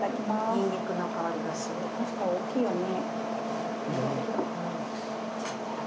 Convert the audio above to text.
・ニンニクの香りがすごい・確かに大きいよね